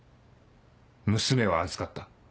「娘は預かった。